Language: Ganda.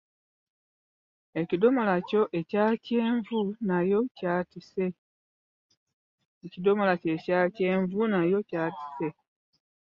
Ekidomola kyo ekya kyenvu nayo kyatise.